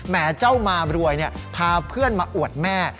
เจ้ามารวยพาเพื่อนมาอวดแม่